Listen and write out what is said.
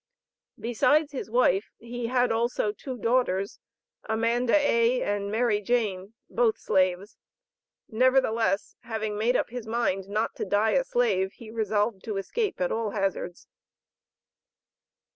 Besides his wife, he had also two daughters, Amanda A. and Mary Jane, both slaves. Nevertheless, having made up his mind not to die a slave, he resolved to escape at all hazards.